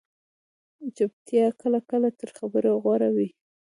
چُپتیا کله کله تر خبرې غوره وي